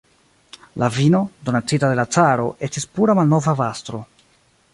La vino, donacita de la caro, estis pura malnova bastro.